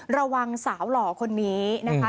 ระวังสาวหล่อคนนี้นะคะ